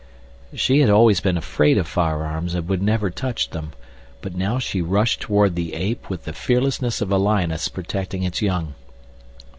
She had always been afraid of firearms, and would never touch them, but now she rushed toward the ape with the fearlessness of a lioness protecting its young.